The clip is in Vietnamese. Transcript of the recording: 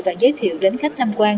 và giới thiệu đến khách tham quan